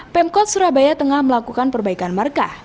pemkot surabaya tengah melakukan perbaikan markah